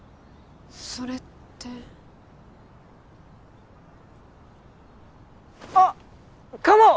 それってあっカモ！